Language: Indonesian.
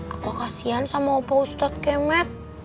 aku kasian sama opa ustad kemet